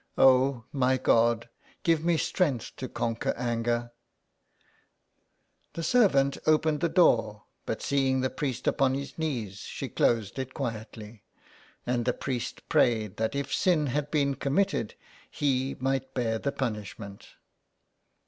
" Oh, my God, give me strength to conquer anger." The servant opened the door, but seeing the priest upon his knees, she closed it quietly, and the priest prayed that if sin had been committed he might bear the punishment.